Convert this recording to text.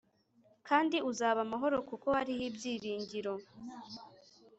kandi uzaba amahoro kuko hariho ibyiringiro,